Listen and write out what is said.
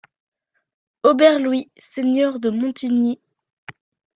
Aubert Louis, seigneur de Montigny.